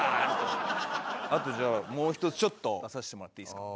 あとじゃあもう１つちょっと出させてもらっていいですか？